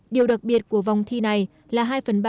điều đặc biệt của vòng thi này là hai phần ba